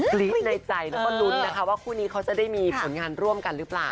กรี๊ดในใจแล้วก็ลุ้นนะคะว่าคู่นี้เขาจะได้มีผลงานร่วมกันหรือเปล่า